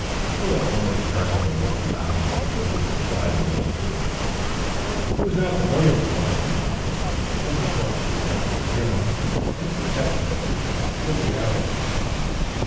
Philip wanted time to look about him before he decided what to do. He was not familiar with Washington, and it was difficult to adjust his feelings and perceptions to its peculiarities.